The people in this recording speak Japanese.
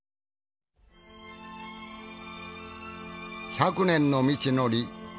１００年の道のり。